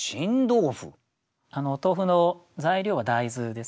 お豆腐の材料は大豆ですね。